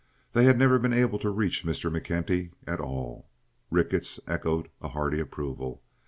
They had never been able to reach Mr. McKenty at all. Ricketts echoed a hearty approval.